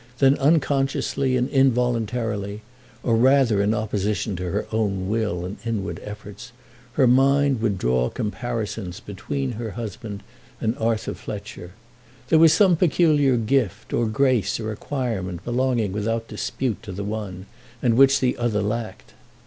Then unconsciously and involuntarily, or rather in opposition to her own will and inward efforts, her mind would draw comparisons between her husband and Arthur Fletcher. There was some peculiar gift, or grace, or acquirement belonging without dispute to the one, and which the other lacked.